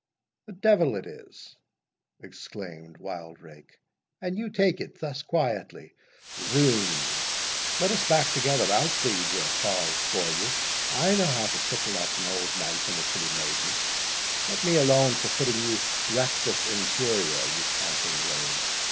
"The devil it is," exclaimed Wildrake, "and you take it thus quietly!— Zounds! let us back together—I'll plead your cause for you—I know how to tickle up an old knight and a pretty maiden—Let me alone for putting you rectus in curia, you canting rogue.